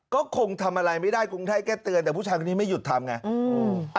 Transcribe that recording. ก็คงทำอะไรไม่ได้กรุงเทพแค่เตือนแต่ผู้ชายคนนี้ไม่หยุดทำไง